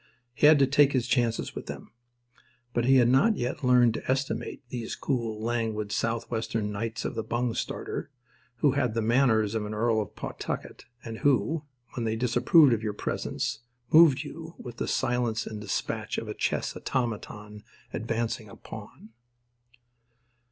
He had to take his chances with them. But he had not yet learned to estimate these cool, languid, Southwestern knights of the bungstarter, who had the manners of an Earl of Pawtucket, and who, when they disapproved of your presence, moved you with the silence and despatch of a chess automaton advancing a pawn.